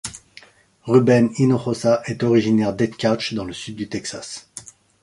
Rubén Hinojosa est originaire d'Edcouch dans le sud du Texas.